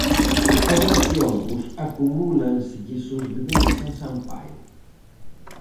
Aos arqueólogos acumúlanselles os deberes en San Paio.